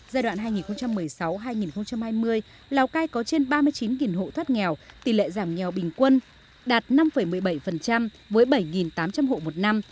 giai đoạn hai nghìn một mươi sáu hai nghìn hai mươi lào cai có trên ba mươi chín hộ thoát nghèo tỷ lệ giảm nghèo bình quân đạt năm một mươi bảy với bảy tám trăm linh hộ một năm